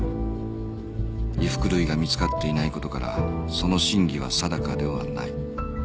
衣服類が見つかっていない事からその真偽は定かではない